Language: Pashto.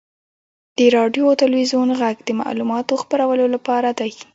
• د راډیو او تلویزیون ږغ د معلوماتو خپرولو لپاره دی.